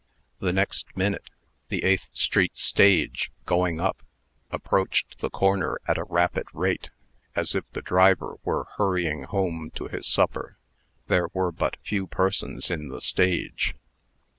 The next minute, the Eighth street stage, going up, approached the corner at a rapid rate, as if the driver were hurrying home to his supper. There were but few persons in the stage.